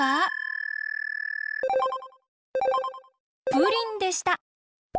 プリンでした！